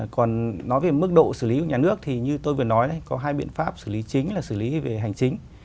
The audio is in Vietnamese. còn nói về mức độ xử lý của nhà nước thì như tôi vừa nói có hai biện pháp xử lý chính là xử lý về hành chính